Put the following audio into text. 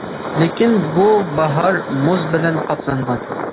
لېكىن بۇ باھار مۇز بىلەن قاپلانغان.